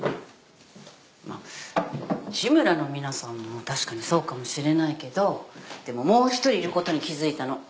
まあ志むらの皆さんも確かにそうかもしれないけどでももう１人いることに気付いたの。